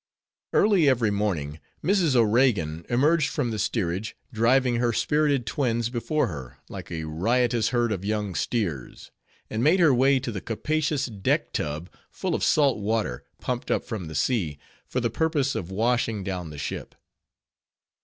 Early every morning, Mrs. O'Regan emerged from the steerage, driving her spirited twins before her, like a riotous herd of young steers; and made her way to the capacious deck tub, full of salt water, pumped up from the sea, for the purpose of washing down the ship.